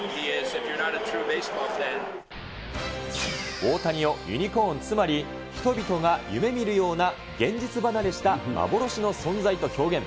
大谷をユニコーン、つまり人々が夢見るような現実離れした幻の存在と表現。